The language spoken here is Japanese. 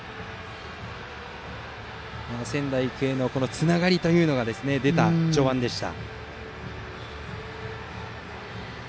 仙台育英のつながりが出た序盤でした。